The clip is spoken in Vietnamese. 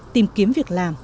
tìm kiếm việc làm